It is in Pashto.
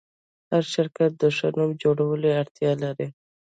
هر شرکت د ښه نوم جوړولو اړتیا لري.